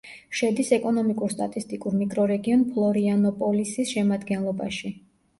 შედის ეკონომიკურ-სტატისტიკურ მიკრორეგიონ ფლორიანოპოლისის შემადგენლობაში.